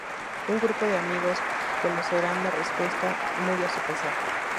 Un grupo de amigos conocerán la respuesta, muy a su pesar.